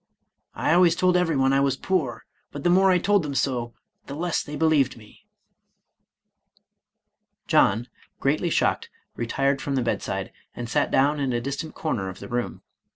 I always told everyone I was poor, but the more I told them so, the less they be lieved me." John, greatly shocked, retired from the bedside, and sat down in a distant corner of the room.